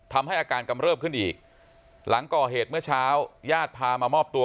ทำให้อาการกำเริบขึ้นอีกหลังก่อเหตุเมื่อเช้าญาติพามามอบตัว